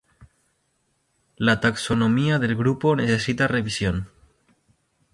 La taxonomía del grupo necesita revisión.